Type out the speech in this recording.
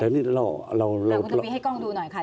แต่นี่เราคุณทวีให้กล้องดูหน่อยค่ะ